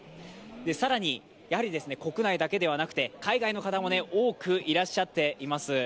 更に、国内だけではなくて海外の方も多くいらっしゃってます。